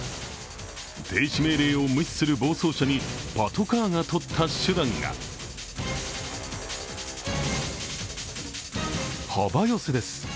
停止命令を無視する暴走車にパトカーがとった手段が幅寄せです。